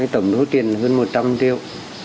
tổng số tiền hơn một trăm linh triệu